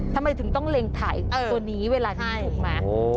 ทำไมถึงต้องเล็งถ่ายตัวนี้เวลาที่ถูกไหม